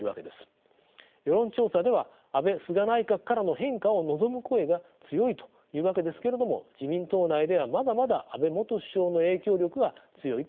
世論調査では安倍・菅内閣からの変化を望む声が強いというわけですけれども自民党内ではまだまだ安倍元首相の影響力が強いといえるでしょう。